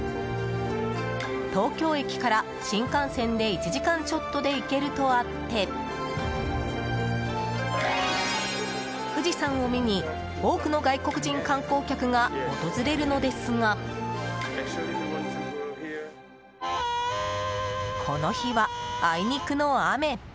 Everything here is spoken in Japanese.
東京駅から新幹線で１時間ちょっとで行けるとあって富士山を見に、多くの外国人観光客が訪れるのですがこの日は、あいにくの雨。